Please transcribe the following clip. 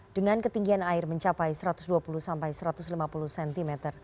dengan ketinggian air mencapai satu ratus dua puluh sampai satu ratus lima puluh cm